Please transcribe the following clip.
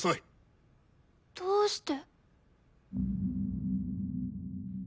どうして？